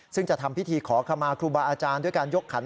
ซึ่งจะทำพิธีขอขมาครูบาอาจารย์ด้วยการยกขัน